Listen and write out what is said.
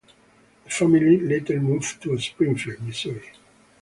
The family later moved to Springfield, Missouri.